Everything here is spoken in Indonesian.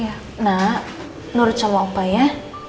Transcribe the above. ya nah nurut sama opa ya